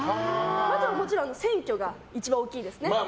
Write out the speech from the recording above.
あとはもちろん選挙が一番大きいですね。